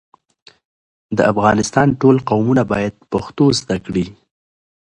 د افغانستان ټول قومونه بايد پښتو زده کړي.